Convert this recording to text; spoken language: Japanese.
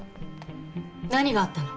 何があったの？